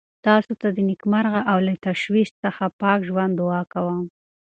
تاسو ته د نېکمرغه او له تشویش څخه پاک ژوند دعا کوم.